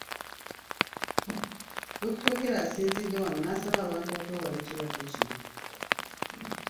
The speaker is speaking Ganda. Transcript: Dr. Okello asinzidde wano n’asaba abantu okwewala ekirwadde kino.